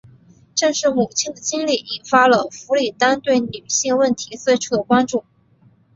正是母亲的经历引发了弗里丹对女性问题最初的关注。